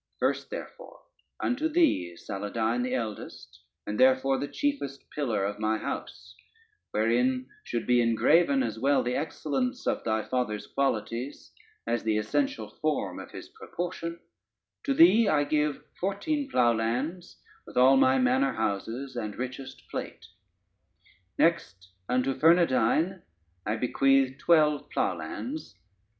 First, therefore, unto thee Saladyne, the eldest, and therefore the chiefest pillar of my house, wherein should be engraven as well the excellence of thy father's qualities, as the essential form of his proportion, to thee I give fourteen ploughlands, with all my manor houses and richest plate. Next, unto Fernandyne I bequeath twelve ploughlands.